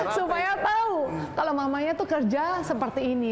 supaya tau kalau mamanya tuh kerja seperti ini